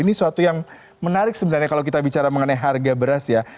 ini suatu yang menarik sebenarnya kalau kita bicara mengenai harga beras ya